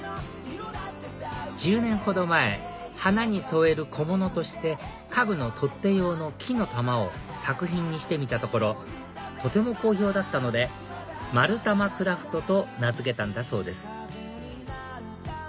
１０年ほど前花に添える小物として家具の取っ手用の木の玉を作品にしてみたところとても好評だったのでまるたまクラフトと名付けたんだそうです